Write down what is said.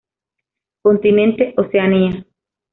Continente: Oceanía.